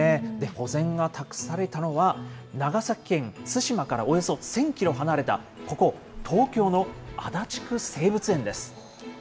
保全が託されたのは、長崎県対馬からおよそ１０００キロ離れた、ここ東京の足立区生物園です。